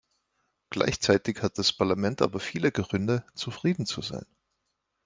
Gleichzeitig hat das Parlament aber viele Gründe, zufrieden zu sein.